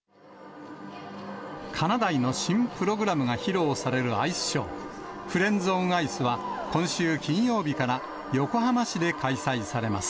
かなだいの新プログラムが披露されるアイスショー、フレンズオンアイスは、今週金曜日から横浜市で開催されます。